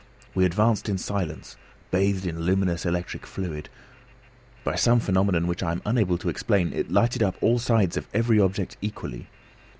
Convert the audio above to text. We advanced in silence, bathed in luminous electric fluid. By some phenomenon which I am unable to explain, it lighted up all sides of every object equally.